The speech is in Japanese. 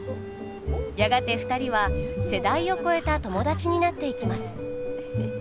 やがて２人は世代を超えた友達になっていきます。